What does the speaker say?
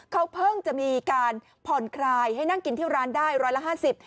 เขาเพิ่งจะมีการผ่อนคลายให้นั่งกินที่ร้านได้๑๕๐บาท